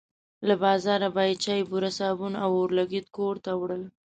له بازاره به یې چای، بوره، صابون او اورلګیت کور ته وړل.